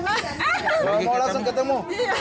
mau langsung ketemu